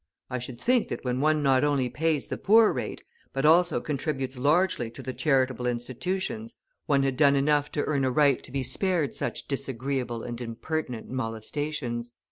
I should think that when one not only pays the poor rate, but also contributes largely to the charitable institutions, one had done enough to earn a right to be spared such disagreeable and impertinent molestations.